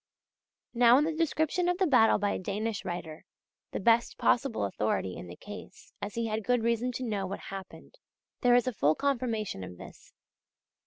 Now in the description of the battle by a Danish writer the best possible authority in the case, as he had good reason to know what happened there is a full confirmation of this.